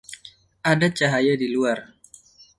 Ada cahaya di luar.